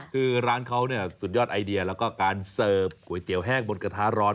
คือร้านเขาสุดยอดไอเดียแล้วก็การเสิร์ฟก๋วยเตี๋ยวแห้งบนกระทะร้อน